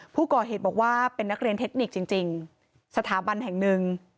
ผู้ก่อเหตุบอกว่าเป็นนักเรียนเทคนิคจริงสถาบันแห่งหนึ่ง